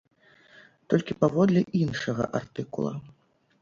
Толькі паводле іншага артыкула.